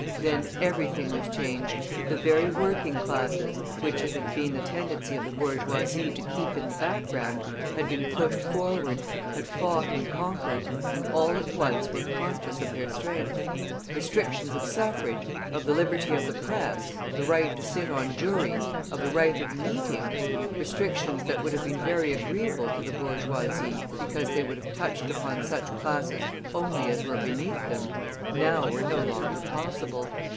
Then everything was changed; the very working classes, which it had been the tendency of the bourgeoisie to keep in the background, had been pushed forward, had fought and conquered, and all at once were conscious of their strength. Restrictions of suffrage, of the liberty of the press, of the right to sit on juries, of the right of meeting restrictions that would have been very agreeable to the bourgeoisie because they would have touched upon such classes only as were beneath them now were no longer possible.